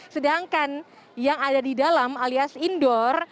sedangkan yang ada di dalam alias indoor